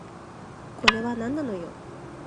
これはなんなのよ